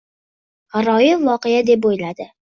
G'aroyib voqea deb o'yladi